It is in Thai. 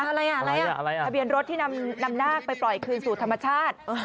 อะไรทะเบียนรถที่นำนาคไปปล่อยคืนสูตรธรรมชาติ